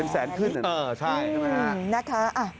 เป็นแสนขึ้นใช่นะฮะ